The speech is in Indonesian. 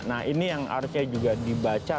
nah ini yang harusnya juga dibaca